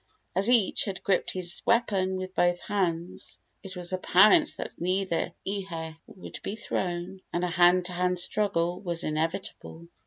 As each had gripped his weapon with both hands, it was apparent that neither ihe would be thrown, and a hand to hand struggle was inevitable.